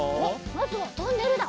まずはトンネルだ。